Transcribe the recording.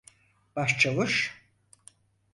Başçavuş!